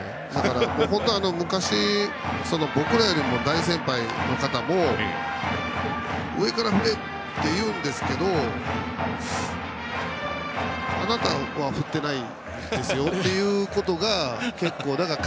昔、僕らよりも大先輩の方も上から振れというんですけどあなたは、振ってないですよということが結構あって。